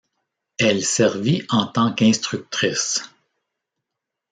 Elle servit en tant qu'instructrice.